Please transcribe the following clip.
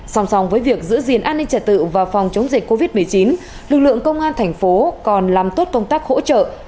song song với việc giữ gìn an ninh trật tự và phòng chống dịch covid một mươi chín lực lượng công an thành phố còn làm tốt công tác hỗ trợ